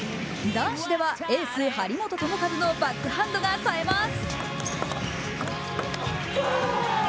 男子ではエース・張本智和のバックハンドがさえます。